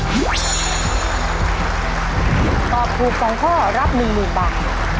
ตอบถูก๒ข้อรับ๑๐๐๐บาท